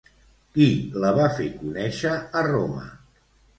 Qui la va fer conèixer a Roma?